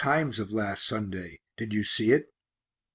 Times of last Sunday did you see it?